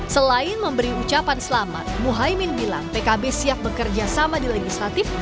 selain memberi ucapan selamat muhaymin bilang pkb siap bekerja sama di legislatif